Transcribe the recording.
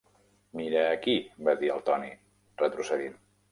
"Mira aquí," va dir el Tony, retrocedint.